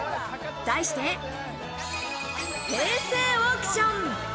題して、平成オークション！